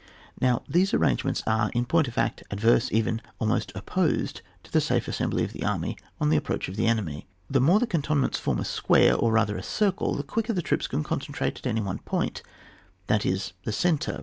Now these three arrangements are, in point of fact, adverse, indeed almost opposed, to the safe assembly of the army on the approach of the enemy. The more the cantonments form a square, or rather a circle, the quicker the troops can concentrate at one point, that is the centre.